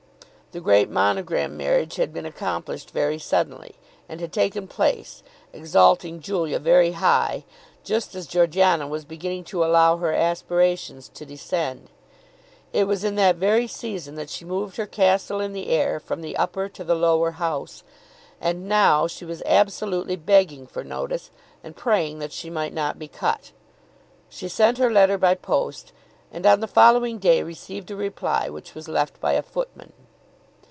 The great Monogram marriage had been accomplished very suddenly, and had taken place, exalting Julia very high, just as Georgiana was beginning to allow her aspirations to descend. It was in that very season that she moved her castle in the air from the Upper to the Lower House. And now she was absolutely begging for notice, and praying that she might not be cut! She sent her letter by post and on the following day received a reply, which was left by a footman.